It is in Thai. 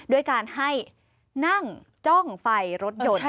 ด้วยการให้นั่งจ้องไฟรถยนต์